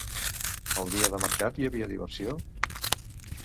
El dia de mercat hi havia diversió?